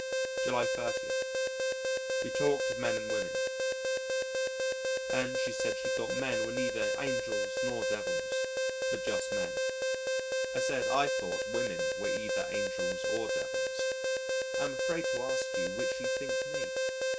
July 30. ... We talked of men and women, and she said she thought men were neither angels nor devils but just men. I said I thought women were either angels or devils. "I am afraid to ask you which you think me."